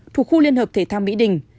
thuộc khu liên hợp thể thao mỹ đình